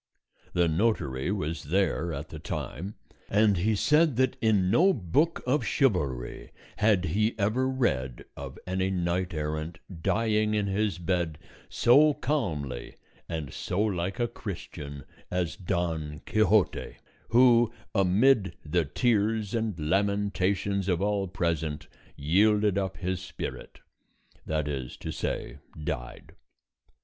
The notary was there at the time, and he said that in no book of chivalry had he ever read of any knight errant dying in his bed so calmly and so like a Christian as Don Quixote, who amid the tears and lamentations of all present yielded up his spirit, that is to say, died.